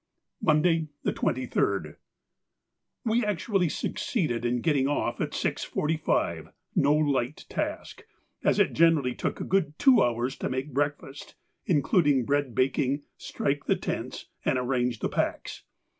Monday, the 23rd.—We actually succeeded in getting off at 6.45, no light task, as it generally took a good two hours to make breakfast, including bread baking, strike the tents, and arrange the packs.